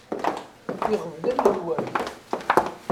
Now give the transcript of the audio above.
Iɣeblan n lwert.